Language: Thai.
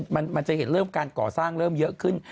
มันจะเห็นเริ่มการก่อสร้างเริ่มเยอะขึ้น